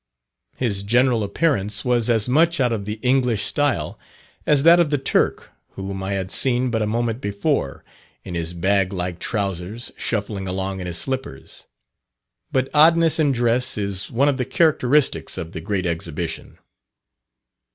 His general appearance was as much out of the English style as that of the Turk whom I had seen but a moment before in his bag like trousers, shuffling along in his slippers. But oddness in dress, is one of the characteristics of the Great Exhibition.